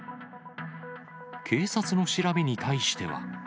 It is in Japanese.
警察の調べに対しては。